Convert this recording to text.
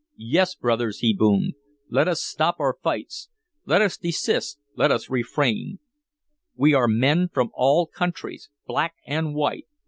"Yes, brothers," he boomed, "let us stop our fights. Let us desist let us refrain. We are men from all countries, black and white.